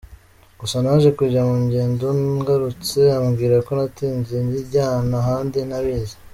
Gusa naje kujya mu ngendo ngarutse ambwira ko natinze ayijyana ahandi ntabizi.